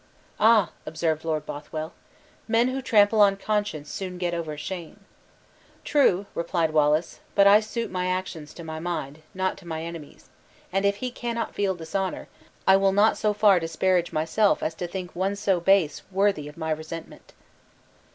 "Ah," observed Lord Bothwell, "men who trample on conscience soon get over shame." "True," replied Wallace, "but I suit my actions to my mind, not to my enemy's; and if he cannot feel dishonor, I will not so far disparage myself as to think one so base worthy my resentment."